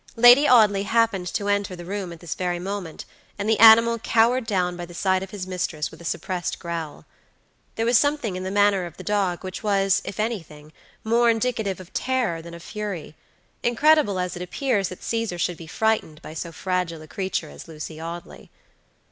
Lady Audley happened to enter the room at this very moment, and the animal cowered down by the side of his mistress with a suppressed growl. There was something in the manner of the dog which was, if anything, more indicative of terror than of fury; incredible as it appears that Caesar should be frightened by so fragile a creature as Lucy Audley.